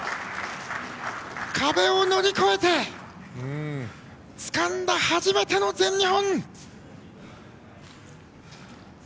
壁を乗り越えてつかんだ初めての全日本。